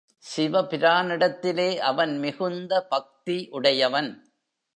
சிவபிரானிடத்திலே அவன் மிகுந்த பக்தி உடையவன்.